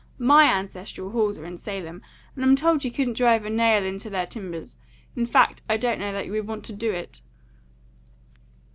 "My ancestral halls are in Salem, and I'm told you couldn't drive a nail into their timbers; in fact, I don't know that you would want to do it."